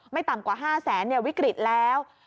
ไม่ต่ำกว่า๕แสนเนี่ยวิกฤตแล้ว